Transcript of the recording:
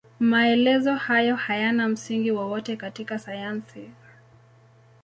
Maelezo hayo hayana msingi wowote katika sayansi.